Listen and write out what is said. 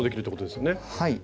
はい。